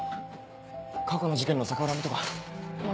過去の事件の逆恨みとか？